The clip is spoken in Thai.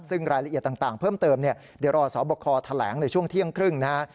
ซึ่งรายละเอียดต่างเพิ่มเติมเนี่ยเดี๋ยวรอสอบคอแถลงในช่วงเที่ยงครึ่งนะฮะ